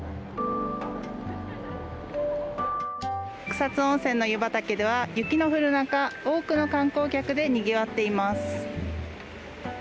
草津温泉の湯畑では雪の降る中多くの観光客でにぎわっています。